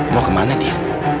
mau kemana dia